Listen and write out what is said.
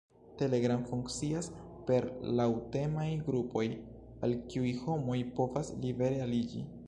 Telegram funkcias per laŭtemaj grupoj, al kiuj homoj povas libere aliĝi.